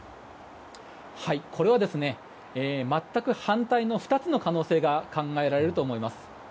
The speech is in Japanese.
それは全く反対の２つの可能性が考えられると思います。